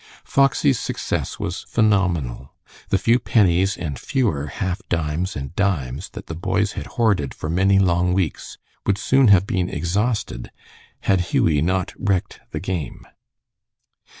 Foxy's success was phenomenal. The few pennies and fewer half dimes and dimes that the boys had hoarded for many long weeks would soon have been exhausted had Hughie not wrecked the game.